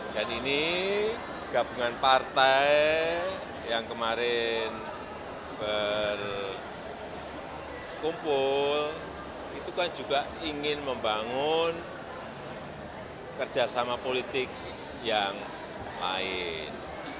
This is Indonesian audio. dan ini gabungan partai yang kemarin berkumpul itu kan juga ingin membangun kerjasama politik yang lain